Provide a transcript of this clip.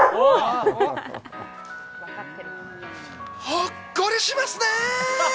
ほっこりしますね。